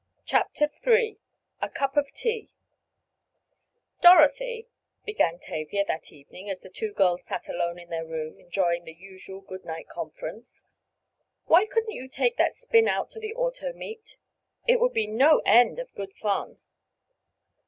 CHAPTER III A CUP OF TEA "Dorothy," began Tavia that evening, as the two girls sat alone in their room, enjoying their usual good night conference, "why couldn't you take that spin out to the auto meet. It would be no end of good fun."